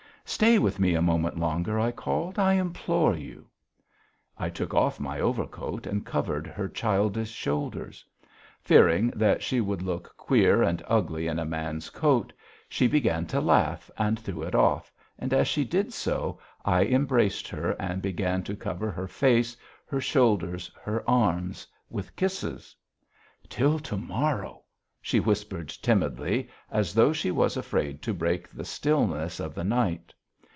"Stay with me a moment longer," I called. "I implore you." I took off my overcoat and covered her childish shoulders. Fearing that she would look queer and ugly in a man's coat, she began to laugh and threw it off, and as she did so, I embraced her and began to cover her face, her shoulders, her arms with kisses. "Till to morrow," she whispered timidly as though she was afraid to break the stillness of the night.